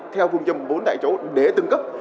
theo phương châm vốn tại chỗ để từng cấp